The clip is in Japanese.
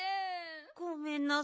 ごめんなさい。